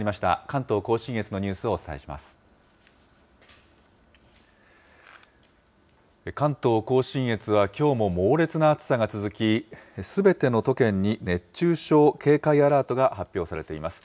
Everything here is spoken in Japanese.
関東甲信越はきょうも猛烈な暑さが続き、すべての都県に熱中症警戒アラートが発表されています。